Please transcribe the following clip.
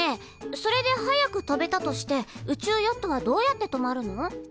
それで速く飛べたとして宇宙ヨットはどうやって止まるの？